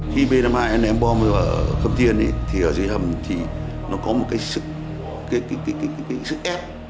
khi b năm mươi hai anh ném bom vào khâm thiên thì ở dưới hầm thì nó có một cái sức ép